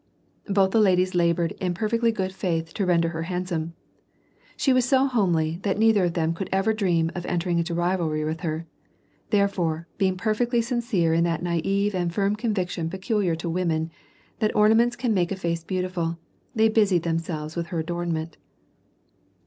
Both the ladies labored in perfectly good faith to render her handsome. She was so homely, that neither of them could ever dream of entering into rivalry with her ; therefore, being perfectly sin cere in that naive and firm conviction peculiar to women, that ornaments can make a face beautiful, they busied themselves with her adornment.